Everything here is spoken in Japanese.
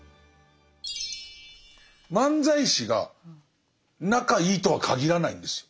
漫才師が仲いいとはかぎらないんですよ。